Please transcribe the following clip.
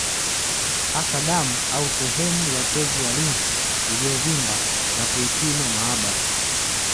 Hasa damu au sehemu ya tezi ya limfu iliyovimba na kuipima maabara